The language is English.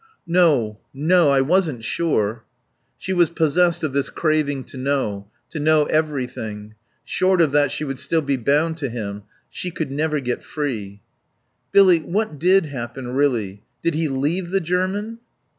"No. No. I wasn't sure." She was possessed of this craving to know, to know everything. Short of that she would be still bound to him; she could never get free. "Billy what did happen, really? Did he leave the German?"